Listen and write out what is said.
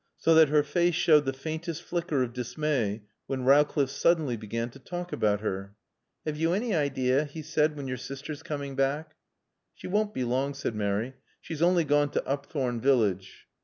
So that her face showed the faintest flicker of dismay when Rowcliffe suddenly began to talk about her. "Have you any idea," he said, "when your sister's coming back?" "She won't be long," said Mary. "She's only gone to Upthorne village."